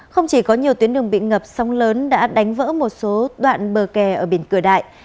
không chỉ có nhiều tuyến đường bị ngập sóng lớn đã đánh vỡ một số đoạn bờ kè ở biển cửa đại